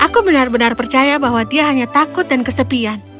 aku benar benar percaya bahwa dia hanya takut dan kesepian